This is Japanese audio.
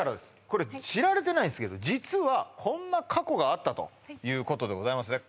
これ知られてないんですけど実はこんな過去があったということでございますね